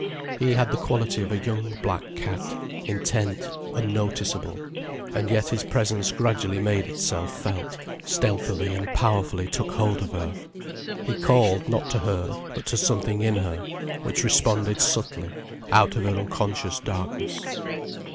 He had the quality of a young black cat, intent, unnoticeable, and yet his presence gradually made itself felt, stealthily and powerfully took hold of her. He called, not to her, but to something in her, which responded subtly, out of her unconscious darkness.